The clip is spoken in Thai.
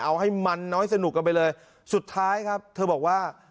เอาให้มันน้อยสนุกกันไปเลยสุดท้ายครับเธอบอกว่า